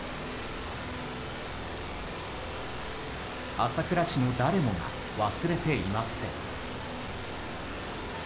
朝倉市の誰もが忘れていません。